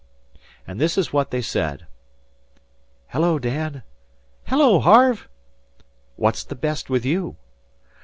And this is what they said: "Hello, Dan!" "Hello, Harve!" "What's the best with you?"